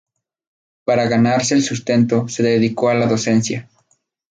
Para ganarse el sustento se dedicó a la docencia.